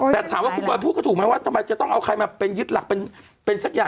แต่ถามว่าคุณบอยพูดก็ถูกไหมว่าทำไมจะต้องเอาใครมาเป็นยึดหลักเป็นสักอย่าง